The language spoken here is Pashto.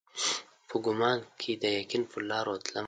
په ګمان کښي د یقین پرلارو تلمه